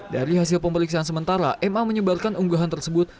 dari hasil pemeriksaan sementara ma menyebarkan unggahan tersebut